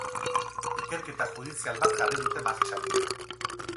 Ikerketa judizial bat jarri dute martxan.